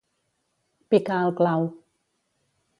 Picar al clau.